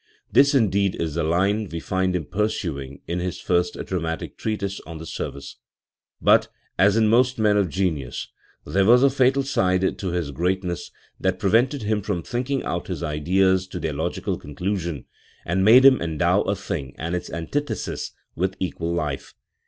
This, indeed, is the line we find him pursuing in his first drastic treatise on the service*. But, as in most men of genius, there was a fatal side to his greatness that prevented him from thinking out his ideas to their logical conclusion, and made him endow a thing and its antithesis with equal life.